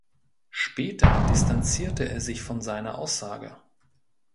Später distanzierte er sich von seiner Aussage.